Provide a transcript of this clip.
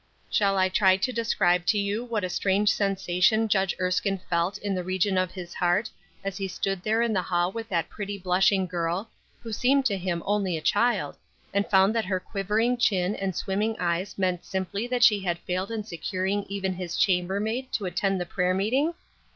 Shall I try to describe to you what a strange sensation Judge Erskine felt in the region of his heart as he stood there in the hall with that pretty blushing girl, who seemed to him only a child, and found that her quivering chin and swimming eyes meant simply that she had failed in securing even his chambermaid to attend the prayer meeting?